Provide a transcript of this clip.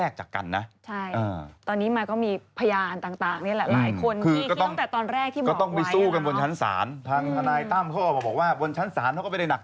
ก็ไม่ได้หนักใจอะไรหรอก